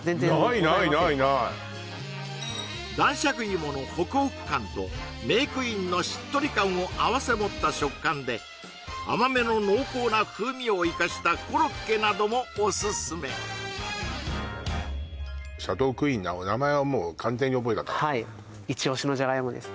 ないないないない男爵薯のホクホク感とメークインのしっとり感をあわせ持った食感で甘めの濃厚な風味を生かしたコロッケなどもおすすめシャドークイーンな名前はもう完全に覚えたからはいイチ押しのじゃがいもです